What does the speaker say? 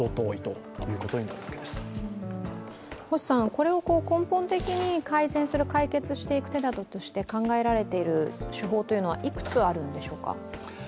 これを根本的に改善する、解決していく手立てとして考えられている手法はいくつあるんでしょうか？